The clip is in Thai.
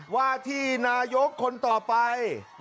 ว่าที่นายกคนต่อไป